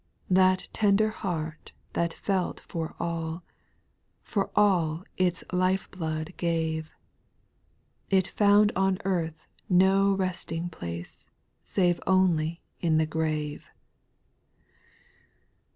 2. That tender heart that felt for all, For all its life blood gave ; It found on earth no resting place Save only in the grave.